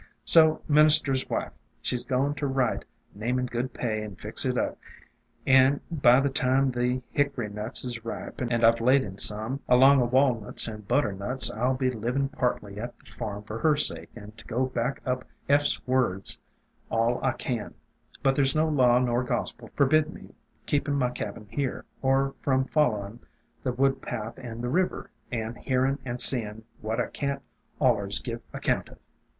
" So minister's wife, she 's goin' ter write, namin' good pay and fix it up, an' by the time the hick THE DRAPERY OF VINES 319 ory nuts is ripe, and I 've laid in some, along o' walnuts and butternuts, I '11 be livin' partly at the farm for her sake and to back up Eph's words all I can. But there 's no law nor gospel ter forbid me keepin' my cabin here, or from followin' the wood path and the river, and hearin' and seein' what I can't allers give account of.